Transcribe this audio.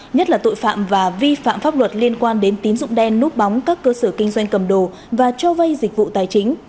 nhất là tội phạm và vi phạm pháp luật liên quan đến tín dụng đen núp bóng các cơ sở kinh doanh cầm đồ và cho vay dịch vụ tài chính